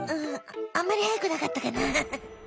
あんまりはやくなかったかな。